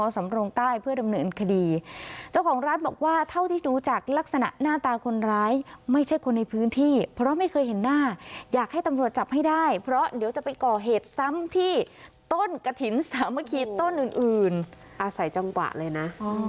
สำรงใต้เพื่อดำเนินคดีเจ้าของร้านบอกว่าเท่าที่ดูจากลักษณะหน้าตาคนร้ายไม่ใช่คนในพื้นที่เพราะไม่เคยเห็นหน้าอยากให้ตำรวจจับให้ได้เพราะเดี๋ยวจะไปก่อเหตุซ้ำที่ต้นกระถิ่นสามัคคีต้นอื่นอื่นอาศัยจังหวะเลยนะ